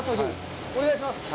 お願いします。